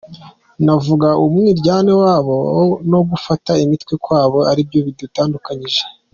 Navuga ko umwiryane wabo no gufunga imitwe kwabo aribyo bidutandukanyije”.